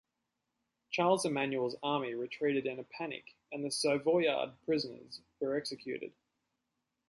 Charles Emmanuel's army retreated in a panic and the Savoyard prisoners were executed.